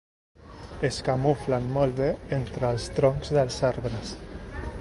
Es camuflen molt bé entre els troncs dels arbres.